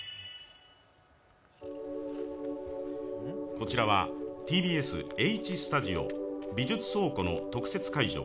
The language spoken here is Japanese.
こちらはＴＢＳ・Ｈスタジオ美術倉庫の特設ステージ。